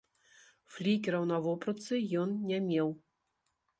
Флікераў на вопратцы ён не меў.